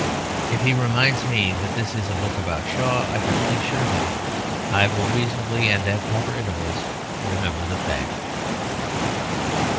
If he reminds me that this is a book about Shaw, I can only assure him that I will reasonably, and at proper intervals, remember the fact.